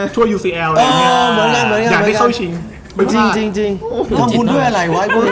ต้องกูด้วยอะไรวะไอ้พวกนี้เนี่ย